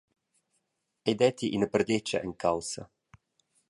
Ei detti ina perdetga en caussa.